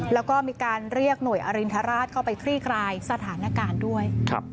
แล้วก็มีการเรียกหน่วยอรินทราชเข้าไปคลี่คลายสถานการณ์ด้วย